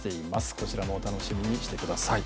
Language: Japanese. こちらもお楽しみにしてください。